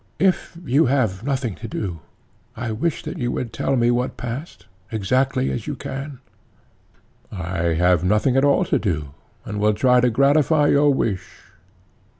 ECHECRATES: If you have nothing to do, I wish that you would tell me what passed, as exactly as you can. PHAEDO: I have nothing at all to do, and will try to gratify your wish.